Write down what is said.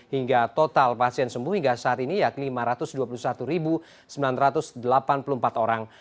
hingga total pasien sembuh hingga saat ini yakni lima ratus dua puluh satu sembilan ratus delapan puluh empat orang